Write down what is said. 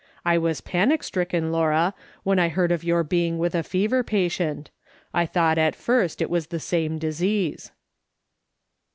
I was panic stricken, Laura, when I heard of your being with a fever patient ; I thought at first it was the same disease."